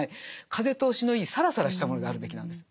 風通しのいいサラサラしたものであるべきなんです。